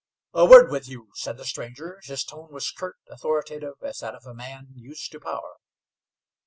"A word with you," said the stranger. His tone was curt, authoritative, as that of a man used to power.